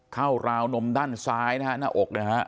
ราวนมด้านซ้ายนะฮะหน้าอกนะฮะ